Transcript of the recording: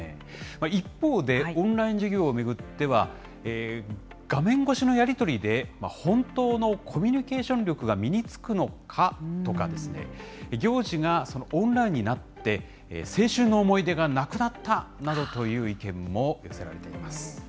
一方で、オンライン授業を巡っては、画面越しのやり取りで本当のコミュニケーション力が身につくのかとか、行事がオンラインになって、青春の思い出がなくなったなどという意見も寄せられています。